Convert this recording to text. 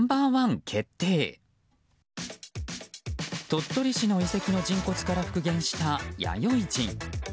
鳥取市の遺跡の人骨から復元した弥生人。